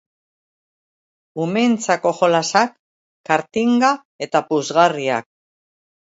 Umeentzako jolasak, kartinga eta puzgarriak.